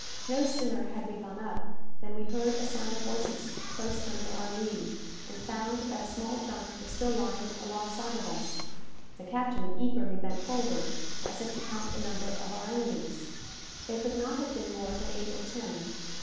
No sooner had we gone up, than we heard a sound of voices close under our lee, and found that a small junk was still lying alongside of us. The captain eagerly bent forward, as if to count the number of our enemies. They could not have been more than eight or ten.